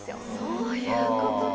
そういうことか。